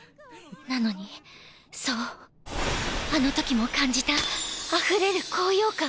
なのにそうあのときも感じたあふれる高揚感。